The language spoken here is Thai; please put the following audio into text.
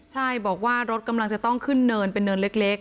ใช่บอกว่ารถกำลังจะต้องขึ้นเนินเป็นเนินเล็ก